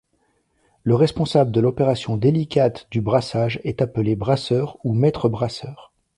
Le responsable de l'opération délicate du brassage est appelé brasseur ou maître brasseur.